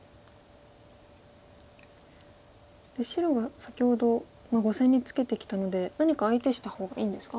そして白が先ほど５線にツケてきたので何か相手した方がいいんですか？